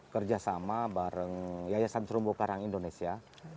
kerjasama bareng yayasan terumbu karang indonesia